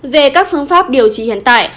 về các phương pháp điều trị hiện tại